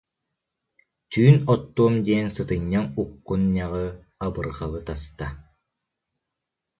Түүн оттуом диэн сытынньаҥ уккун- ньаҕы, абырҕалы таста